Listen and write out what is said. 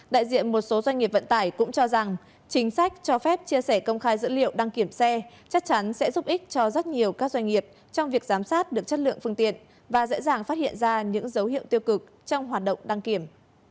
đại diện một số doanh nghiệp vận tải cũng cho rằng chính sách cho phép chia sẻ công khai dữ liệu đăng kiểm xe chắc chắn sẽ giúp ích cho rất nhiều các doanh nghiệp trong việc giám sát được chất lượng phương tiện và dễ dàng phát hiện ra những dấu hiệu tiêu cực trong hoạt động đăng kiểm